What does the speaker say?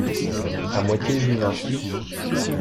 à moitié vivant.